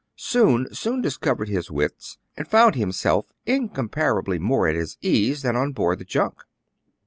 Soun soon recovered his wits, and found himself incomparably more at his ease than on board of the junk.